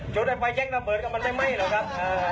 จุดไฟแช็กระเบิดก็มันไม่ไหม้หรอกครับ